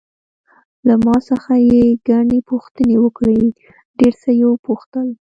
له ما څخه یې ګڼې پوښتنې وکړې، ډېر څه یې وپوښتل.